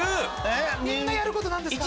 みんなやること何ですか？